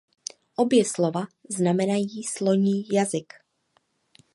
Obě slova znamenají "sloní jazyk".